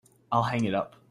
I'll hang it up.